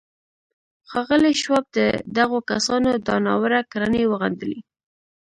ښاغلي شواب د دغو کسانو دا ناوړه کړنې وغندلې.